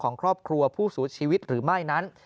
ของครอบครัวผู้สูชีวิตหรือไม่นั้น